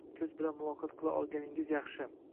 Ko‘z bilan muloqot qila olganingiz yaxshi